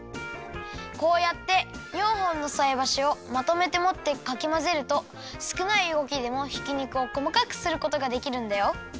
こうやって４ほんのさいばしをまとめてもってかきまぜるとすくないうごきでもひき肉をこまかくすることができるんだよ！